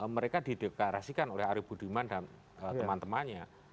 mereka dideklarasikan oleh arief budiman dan teman temannya